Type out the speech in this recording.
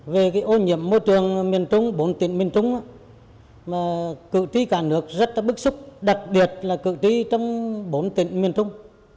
về ô nhiễm môi trường miền trung bốn tỉnh miền trung cự trí cả nước rất bức xúc đặc biệt là cự trí trong bốn tỉnh miền trung